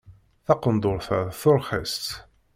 Taqendurt-a d turxist.